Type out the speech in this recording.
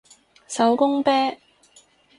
手工啤